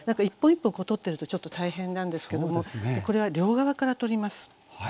一本一本こう取ってるとちょっと大変なんですけどもこれは両側から取ります。